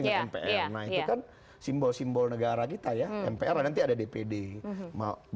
ya ya ya ya simbol simbol negara kita ya mpr nanti ada dpd nya ya kalau yang dpr berbeda lagi ya volte nanti ada dpd nya ya